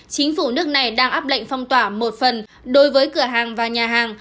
chính phủ nước này đang áp lệnh phong tỏa một phần đối với cửa hàng và nhà hàng